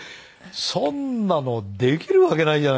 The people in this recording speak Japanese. そんなのできるわけないじゃないですか。